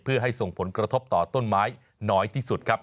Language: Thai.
เพื่อให้ส่งผลกระทบต่อต้นไม้น้อยที่สุดครับ